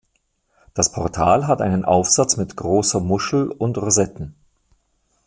Das Portal hat einen Aufsatz mit großer Muschel und Rosetten.